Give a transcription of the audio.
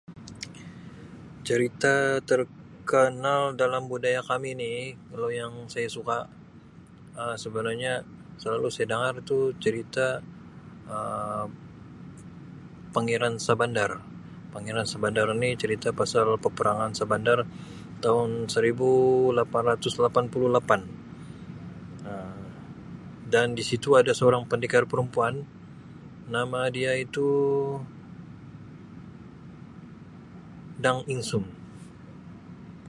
Cerita terkanal dalam budaya kami ni kalau yang suka Um sebenarnya selalu saya dangar tu cerita Um Pangeran Shahbandar, Pangeran Shahbandar ni cerita pasal peperangan Sabandar taun seribu lapan ratus lapan puluh lapan Um dan di situ ada seorang pendekar perempuan nama dia itu Dang Insum.